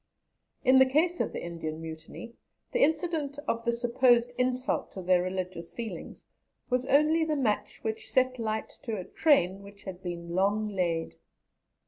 In the case of the Indian Mutiny, the incident of the supposed insult to their religious feelings was only the match which set light to a train which had been long laid.